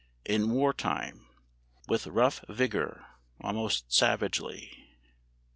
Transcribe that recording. "IN WAR TIME" ("With rough vigor, almost savagely") 4.